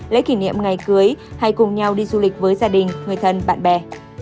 lễ kỷ niệm ngày cưới hay cùng nhau đi du lịch với gia đình người thân bạn bè